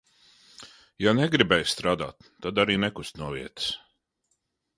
Ja negribēja strādāt tad arī nekust no vietas.